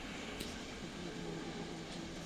অথচ এক ঘণ্টা পার হতে এখনো পনের মিনিট বাকি।